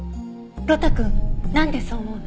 呂太くんなんでそう思うの？